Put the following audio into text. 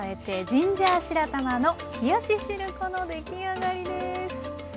ジンジャー白玉の冷やししるこの出来上がりです。